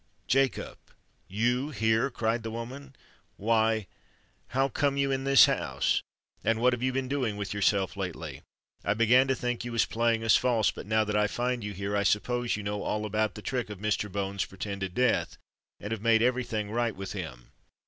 Jacob—you here!" cried the woman. "Why—how come you in this house? and what have you been doing with yourself lately? I began to think you was playing us false: but now that I find you here, I suppose you know all about the trick of Mr. Bones's pretended death, and have made every thing right with him.